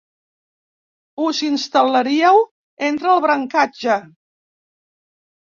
Us instal·laríeu entre el brancatge.